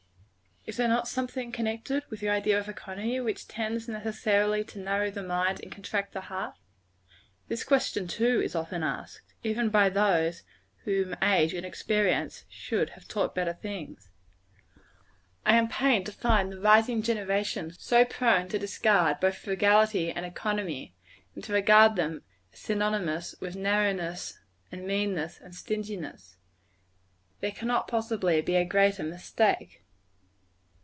"Is there not something connected with the idea of economy, which tends, necessarily, to narrow the mind and contract the heart?" This question, too, is often asked, even by those whom age and experience should have taught better things. I am pained to find the rising generation so prone to discard both frugality and economy, and to regard them as synonymous with narrowness, and meanness, and stinginess. There cannot possibly be a greater mistake.